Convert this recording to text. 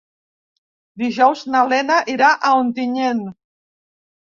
Dijous na Lena irà a Ontinyent.